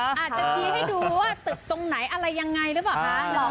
อาจจะชี้ให้ดูว่าตึกตรงไหนอะไรยังไงหรือเปล่าคะ